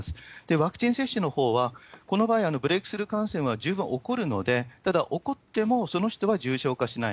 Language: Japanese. ワクチン接種のほうは、この場合、ブレークスルー感染は十分起こるので、ただ、起こってもその人は重症化しない。